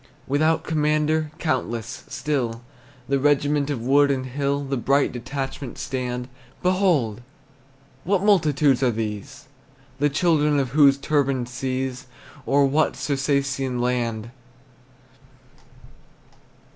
Without commander, countless, still, The regiment of wood and hill In bright detachment stand. Behold! Whose multitudes are these? The children of whose turbaned seas, Or what Circassian land?